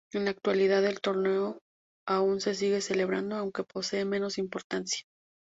En la actualidad, el torneo aún se sigue celebrando aunque posee menos importancia.